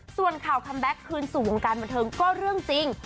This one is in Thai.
ส่วนข่าวคัมแบ็คคืนสู่วงการบันเทิงก็เรื่องจริง